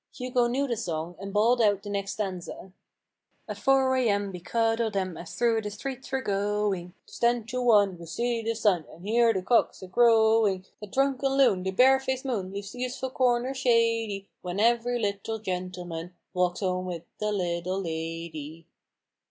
Hugo knew the song, and bawled out the next stanza :— 14 At four a.m. we cuddle them, As through the streets we're going ; 'Tis ten to one wc see the sun, And hear the cocks a crowing ! That drunken loon, the bare faced moon, Leaves useful corners shady, — When every little gentleman Walks home with a little lady."